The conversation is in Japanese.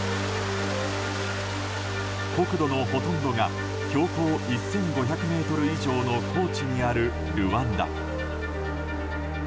国土のほとんどが標高１５００ｍ以上の高地にある、ルワンダ。